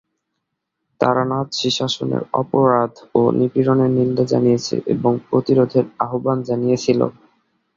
তারা নাৎসি শাসনের অপরাধ ও নিপীড়নের নিন্দা জানিয়েছে এবং প্রতিরোধের আহ্বান জানিয়েছিল।